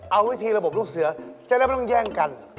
เอาวิธีระบบลูกเสือจะได้ไม่ต้องแย่งกัน